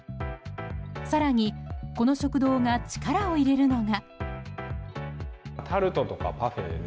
更にこの食堂が力を入れるのが。